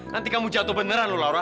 nanti kamu jatuh beneran loh laura